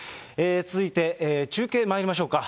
続いて中継まいりましょうか。